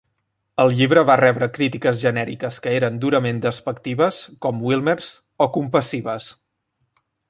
El llibre va rebre crítiques genèriques que eren durament despectives, com Wilmers, o compassives.